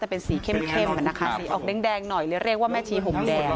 แต่เป็นสีเข้มเข้มค่ะนะคะสีออกแดงแดงหน่อยหรือเรียกว่าแม่ชีห่มแดง